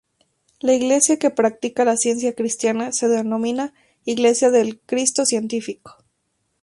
La iglesia que practica la ciencia cristiana se denomina Iglesia de Cristo, Científico.